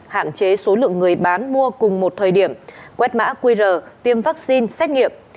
hạn chế số lượng người bán mua cùng một thời điểm quét mã qr tiêm vaccine xét nghiệm